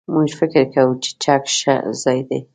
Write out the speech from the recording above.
موږ فکر کوو چې چک ښه ځای دی.